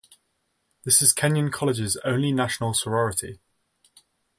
This is Kenyon College's only national sorority.